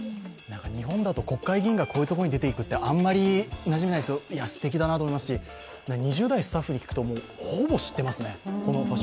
日本だと国会議員がこういうところに出ていくってあまりなじみないですが、すてきだなと思いますし２０代スタッフに聞くとほぼ全て、知ってますね。